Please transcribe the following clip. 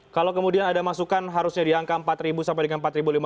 kalau kemudian ada masukan harusnya di angka empat sampai dengan empat lima ratus